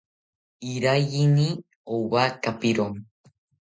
Iraiyini owa kapiro